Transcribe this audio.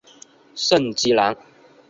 圣基兰。